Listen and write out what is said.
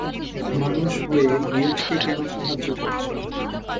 মানুষ হয়ে, গিল্ডকে কেন সাহায্য করছো?